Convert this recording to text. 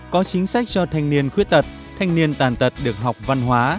một có chính sách cho thanh niên khuyết tật thanh niên tàn tật được học văn hóa